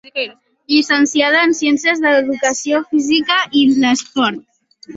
Llicenciada en Ciències de l'Educació física i l'Esport.